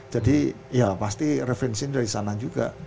jadi ya pasti referensiin dari sana juga